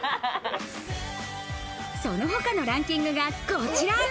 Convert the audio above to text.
その他のランキングがこちら。